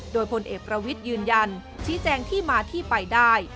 โดยพลเอกประวิทย์ยืนยันชี้แจงที่มาที่ไปได้